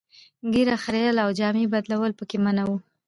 ږیره خرییل او جامې بدلول پکې منع وو.